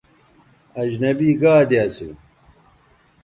اجنبی گادے اسو